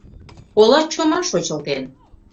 Ола чома шочылден.